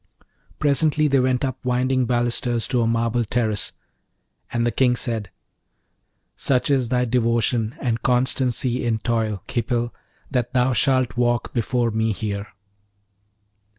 Presently they went up winding balusters to a marble terrace, and the King said, 'Such is thy devotion and constancy in toil, Khipil, that thou shaft walk before me here.'